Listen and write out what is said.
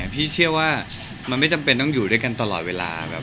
พี่เชื่อว่ามันไม่จำเป็นต้องอยู่ด้วยกันตลอดเวลา